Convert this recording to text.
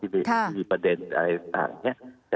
ไม่ว่า๓๐๖๑